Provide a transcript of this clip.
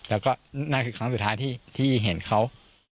แล้วก็นั่นคือครั้งสุดท้ายที่เห็นเขา